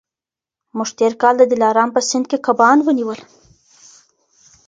موږ تېر کال د دلارام په سیند کي کبان ونیول.